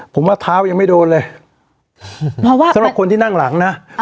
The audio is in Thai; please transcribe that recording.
ผมว่าเท้ายังไม่โดนเลยเพราะว่าสำหรับคนที่นั่งหลังนะ